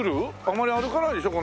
あまり歩かないでしょ？